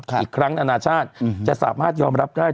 อีกครั้งนานาชาติจะสามารถยอมรับได้